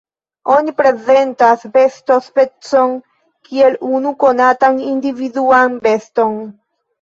Oni prezentas bestospecon kiel unu konatan individuan beston.